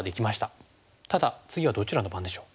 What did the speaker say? ただ次はどちらの番でしょう。